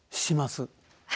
します。